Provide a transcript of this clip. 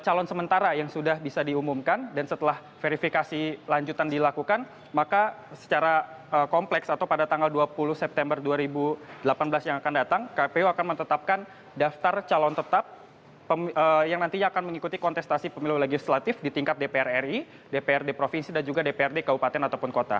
calon sementara yang sudah bisa diumumkan dan setelah verifikasi lanjutan dilakukan maka secara kompleks atau pada tanggal dua puluh september dua ribu delapan belas yang akan datang kpu akan menetapkan daftar calon tetap yang nantinya akan mengikuti kontestasi pemilu legislatif di tingkat dpr ri dprd provinsi dan juga dprd keupatan ataupun kota